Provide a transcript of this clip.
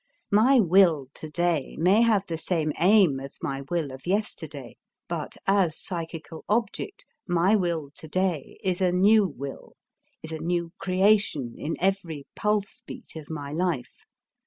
My will to day may have the same aim as my will of yesterday, but as psychical object, my will to day is a new will, is a new creation in every pulse beat of my life.